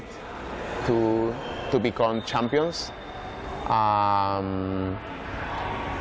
ที่เรากลับวันนี้ได้เท่านั้นต้องจำเป็นบททดสอบครับ